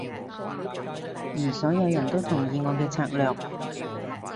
而所有人都同意我嘅策略